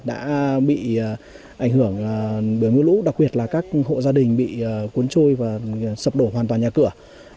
đã bị ảnh hưởng bởi mưa lũ đặc biệt là các hộ gia đình bị cuốn trôi và sập đổ hoàn toàn nhà cửa